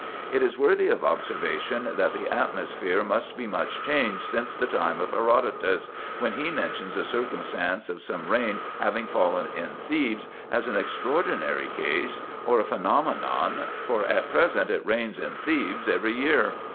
It is worthy of observation, that the atmosphere must be much changed since the time of Herodotus, when he mentions a circumstance of some rain having fallen in Thebes as an extraordinary case or a phenomenon, for at present it rains in Thebes every year.